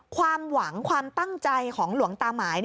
ความหวังความตั้งใจของหลวงตาหมาย